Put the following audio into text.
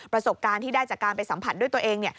ประสบการณ์ที่ได้จากการไปสัมผัสด้วยตัวเอง